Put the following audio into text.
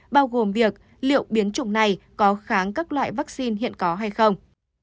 bao gồm việc liệu biến chủng này có kháng các loại vaccine hiện có hay không